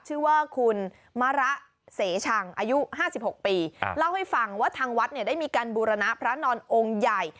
ชื่อว่าคุณมะระเสชังอายุ๕๖ปีเล่าให้ฟังว่าทางวัดเนี่ยได้มีการบูรณะพระนอนองค์ใหญ่